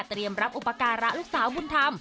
เตรียมรับอุปการะลูกสาวบุญธรรม